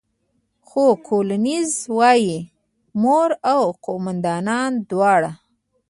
خو کولینز وايي، مور او قوماندانه دواړه.